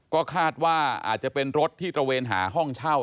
ก็คาดว่าอาจจะเป็นรถที่ตระเวนหาห้องเช่า